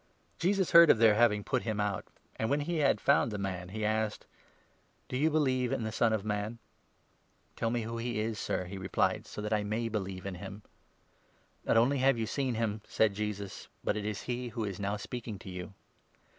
Jesus heard of their having put him out ; and, when he had 35 found the man, he asked :" Do you believe in the Son of Man ?"" Tell me who he is, Sir," he replied, " so that I may believe 36 in him." '' Not only have you seen him, " said Jesus ;'' but it is he who 37 is now speaking to you."